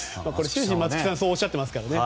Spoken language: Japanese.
終始、松木さんそうおっしゃっていますからね。